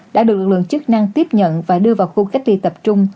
đã được lực lượng chức năng tiếp nhận và đưa vào khu cách ly tập trung